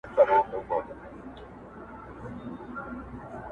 هغه سینه راته وټکوله